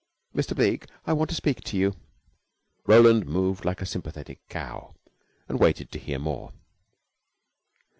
"Mr. Bleke, I want to speak to you." Roland moved like a sympathetic cow, and waited to hear more.